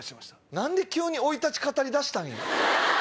何で急に生い立ち語りだしたんや？